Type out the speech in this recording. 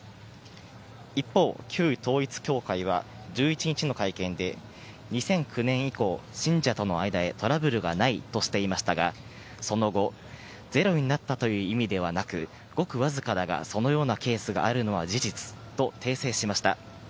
一方、旧統一教会は１１日の会見で、２００９年以降、信者との間でトラブルがないとしていましたが、その後、ゼロになったという意味ではなく、ごく僅かだが、そのようなケースがあるのは事実と訂正しました。